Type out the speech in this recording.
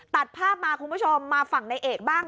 ตัดภาพมาคุณผู้ชมมาฝั่งในเอกบ้าง